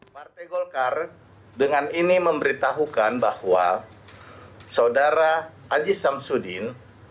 partai golkar dengan ini memberitahukan bahwa saudara adis syamsuddin